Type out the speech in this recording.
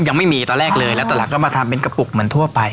ยังไม่มีตอนแรกเลยแล้วตอนหลังก็มาทำเป็นกระปุกเหมือนทั่วไป